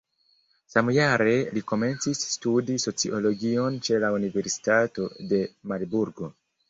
Samjare li komencis studi sociologion ĉe la universitato de Marburgo.